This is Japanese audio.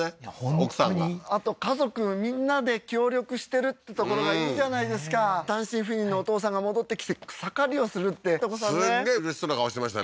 奥さんがあと家族みんなで協力してるってところがいいじゃないですか単身赴任のお父さんが戻ってきて草刈りをするってすっげえうれしそうな顔してましたね